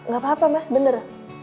gak apa apa mas bener